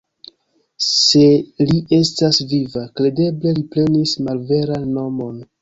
Se li estas viva, kredeble li prenis malveran nomon.